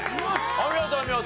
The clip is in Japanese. お見事お見事。